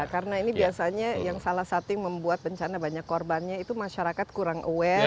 karena ini biasanya yang salah satu yang membuat bencana banyak korbannya itu masyarakat kurang aware